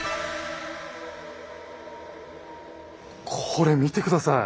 これ見て下さい。